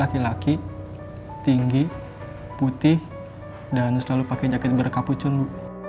laki laki tinggi putih dan selalu pakai jaket berkapucan bu